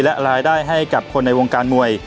และรายได้ให้กับคนในวงการมวย